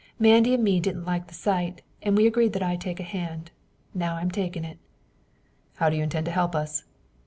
Mandy and me didn't like the sight, and we agree that I take a hand. Now I'm takin' it." "How do you intend to help us?"